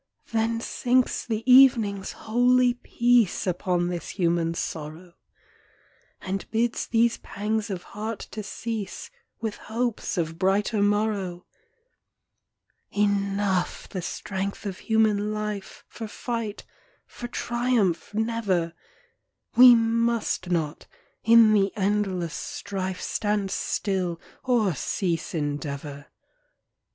109 Then sinks the evening's holy peace Upon this human sorrow; And bids these pangs of heart to cease With hopes of brighter morrow ! Enough the strength of human life, For fight â ^for triumph, never! We must not, in the endless strife, Stand still, or cease endeavour.